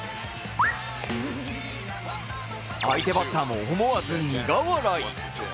相手バッターも思わず苦笑い。